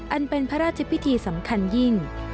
เป็นพระราชพิธีสำคัญยิ่ง